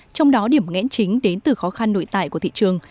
trong đó điểm nghẽn chính đến từ khó khăn nội tại của thị trường